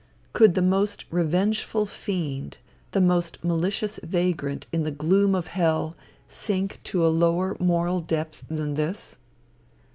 Could the most revengeful fiend, the most malicious vagrant in the gloom of hell, sink to a lower moral depth than this?